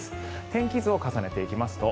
天気図を重ねていきますと